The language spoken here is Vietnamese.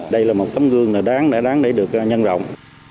đây là một tấm gương đã đáng để được nhân rộng